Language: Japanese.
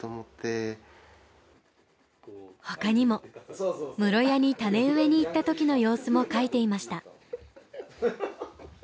他にも室谷に種植えに行った時の様子も描いていました。